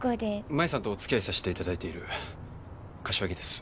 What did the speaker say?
舞さんとおつきあいさしていただいてる柏木です。